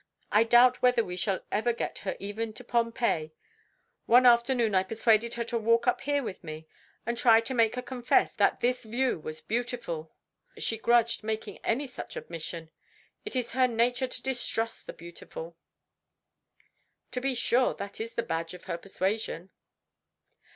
I doubt whether we shall ever get her even to Pompeii. One afternoon I persuaded her to walk up here with me, and tried to make her confess that this view was beautiful. She grudged making any such admission. It is her nature to distrust the beautiful." "To be sure. That is the badge of her persuasion."